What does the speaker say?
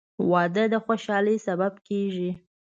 • واده د خوشحالۍ سبب کېږي.